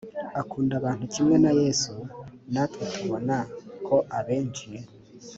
akunda abantu kimwe na yesu natwe tubona ko abenshi